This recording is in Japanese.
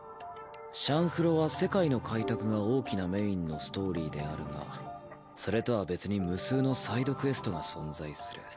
「シャンフロは世界大きなメインのストーリーであるがそれとは別に無数のサイドクエストが存在する。